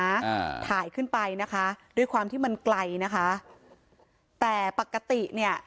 อ่าถ่ายขึ้นไปนะคะด้วยความที่มันไกลนะคะแต่ปกติเนี้ย